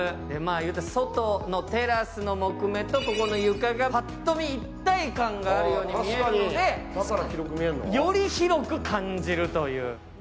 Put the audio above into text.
外のテラスの木目とここの床がぱっと見、一体感があるように見えるのでより広く感じるという。